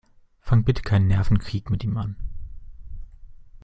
Fang bitte keinen Nervenkrieg mit ihm an.